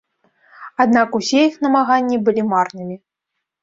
Аднак усе іх намаганні былі марнымі.